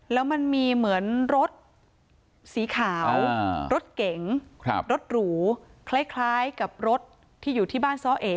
แล้วมันมีเหมือนรถสีขาวรถเก๋งรถหรูคล้ายกับรถที่อยู่ที่บ้านซ้อเอ๋